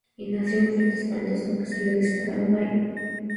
Y nació un feto espantoso que salió disparado de ahí.